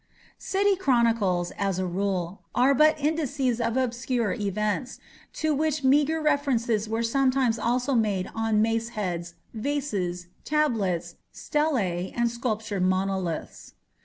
City chronicles, as a rule, are but indices of obscure events, to which meagre references were sometimes also made on mace heads, vases, tablets, stelae, and sculptured monoliths.